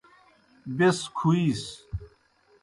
بیْس کُھوِیس۔